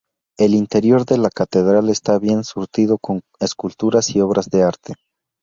El interior de la catedral está bien surtido con esculturas y obras de arte.